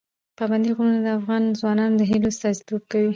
پابندی غرونه د افغان ځوانانو د هیلو استازیتوب کوي.